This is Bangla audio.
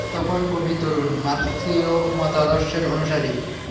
তখন কবি তরুণ, মার্ক্সীয় মতাদর্শের অনুসারী।